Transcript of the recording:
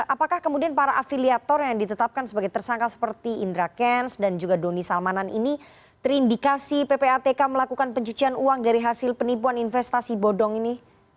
apakah kemudian para afiliator yang ditetapkan sebagai tersangka seperti indra kents dan juga doni salmanan ini terindikasi ppatk melakukan pencucian uang dari hasil penipuan investasi bodong ini